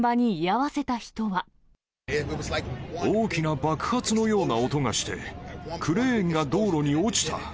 大きな爆発のような音がして、クレーンが道路に落ちた。